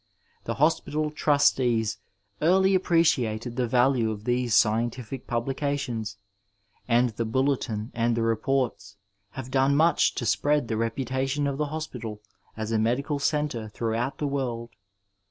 The Hospital Trustees early appreciated the v&lne of these scientifio pnblicataons, and the Bulletin and the Reports have done much to spread the reputation of the Hospital as a medical centre through out the world.